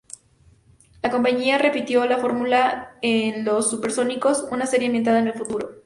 La compañía repitió la fórmula en "Los Supersónicos", una serie ambientada en el futuro.